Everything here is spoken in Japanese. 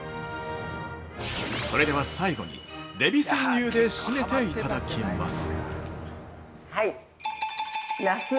それでは、最後にデヴィ川柳で締めていただきます。